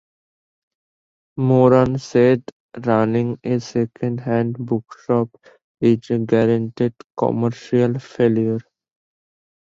Moran said Running a second-hand bookshop is a guaranteed commercial failure.